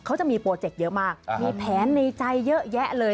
เขาจะมีโปรเจกต์เยอะมากมีแผนในใจเยอะแยะเลย